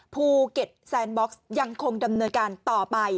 ภูเก็ตแซนบ็อกซ์ยังคงดำเนินการต่อไป